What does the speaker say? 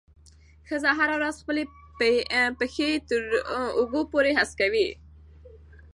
ښځه هره ورځ خپل پښې تر اوږو پورې هسکوي.